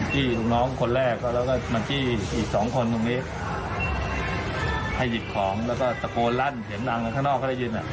จี้ลูกน้องคนแรกแล้วก็มาจี้อีกสองคนตรงนี้ให้หยิบของแล้วก็ตะโกนลั่นเห็นนางกันข้างนอกเขาได้ยินอ่ะ